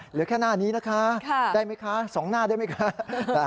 เหลือแค่หน้านี้นะคะได้ไหมคะ๒หน้าได้ไหมคะ